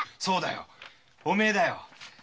そうだよお前だよ。